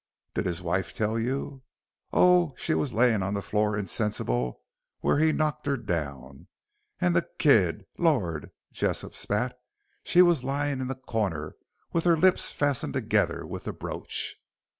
"Did his wife tell you?" "Oh, she wos lying on the floor insensible where he'd knocked her down. And the kid lor'," Jessop spat, "she was lying in the corner with her lips fastened together with the brooch."